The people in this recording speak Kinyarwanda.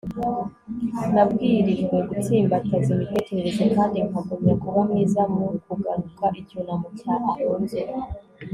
nabwirijwe gutsimbataza imitekerereze kandi nkagumya kuba mwiza mu kugaruka. - icyunamo cya alonzo